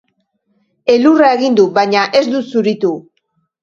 Elurra egin du, baina ez du zuritu.